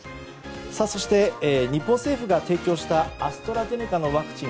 そして、日本政府が提供したアストラゼネカのワクチン